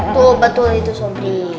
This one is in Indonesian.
tuh betul itu sobri